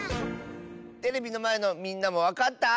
テレビのまえのみんなもわかった？